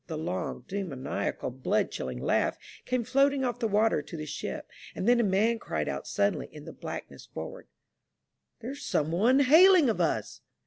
The long, demoniacal, blood chilling laugh came floating off the water to the ship, and then a man cried out suddenly, in the black ness forward, " There's some one hailing of us